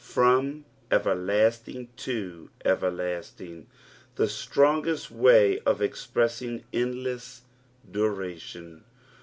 " From eterliuting artd to ecerloMtiag." The strongest way of expressing endless duration.